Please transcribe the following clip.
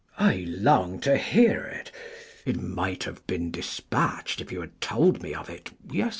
Mess. I long to hear it, it might have been dispatch'd If you had told me of it yesternight.